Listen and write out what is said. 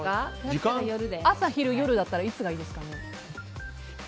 朝、昼、夜だったらいつがいいですかね？